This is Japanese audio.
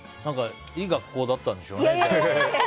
いい学校だったんでしょうね。